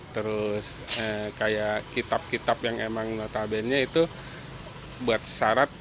terus kayak kitab kitab yang emang notabene itu buat syarat